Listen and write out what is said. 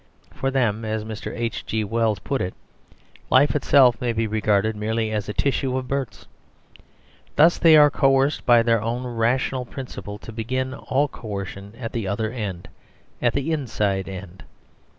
For them, as Mr. H.G. Wells put it, life itself may be regarded merely as a tissue of births. Thus they are coerced by their own rational principle to begin all coercion at the other end; at the inside end.